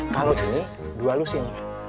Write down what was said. kalau ini dua lusin